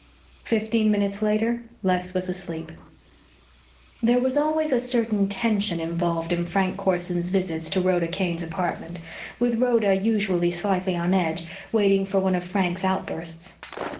_ Fifteen minutes later, Les was asleep. There was always a certain tension involved in Frank Corson's visits to Rhoda Kane's apartment, with Rhoda usually slightly on edge, waiting for one of Frank's outbursts.